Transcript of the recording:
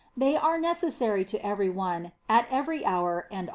They are neces sary to every one, at every hour and always.